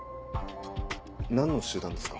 何の集団ですか？